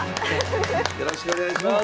よろしくお願いします。